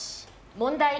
問題。